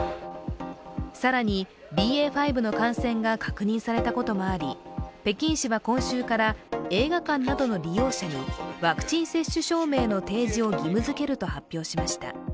更に、ＢＡ．５の感染が確認されたこともあり、北京市は今週から映画館などの利用者にワクチン接種証明の提示を義務づけると発表しました。